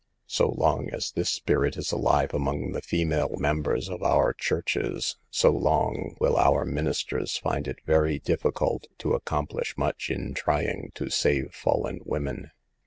So long as this spirit is alive among the female mem bers of our churches, so long will our ministers find it very difficult to accomplish much in trying to save fallen women.